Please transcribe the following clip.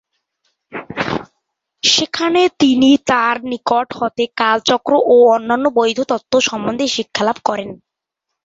সেখানে তিনি তার নিকট হতে কালচক্র ও অন্যান্য বৌদ্ধ তত্ত্ব সম্বন্ধে শিক্ষালাভ করেন।